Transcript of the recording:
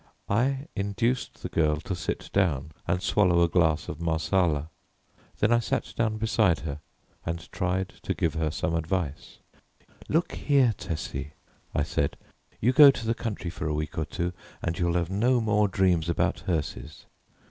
I induced the girl to sit down and swallow a glass of Marsala. Then I sat down beside her, and tried to give her some advice. "Look here, Tessie," I said, "you go to the country for a week or two, and you'll have no more dreams about hearses.